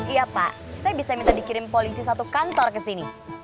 iya pak saya bisa minta dikirim polisi satu kantor ke sini